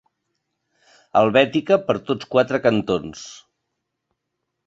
Helvètica per tots quatre cantons.